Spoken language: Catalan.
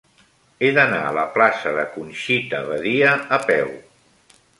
He d'anar a la plaça de Conxita Badia a peu.